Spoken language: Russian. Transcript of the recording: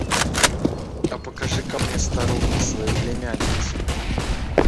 – «А покажи-ка мне, старуха, свою племянницу».